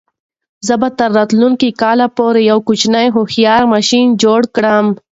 زه به تر راتلونکي کال پورې یو کوچنی هوښیار ماشین جوړ کړم.